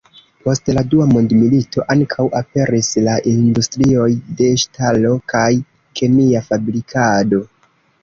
Post la dua mondmilito ankaŭ aperis la industrioj de ŝtalo kaj kemia fabrikado.